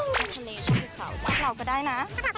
ชอบทะเลชอบที่เขาชอบเราก็ได้นะ